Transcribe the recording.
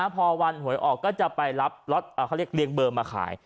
พอวันหวยออกก็จะไปรับรถเขาเรียกเรียงเบอร์มาขาย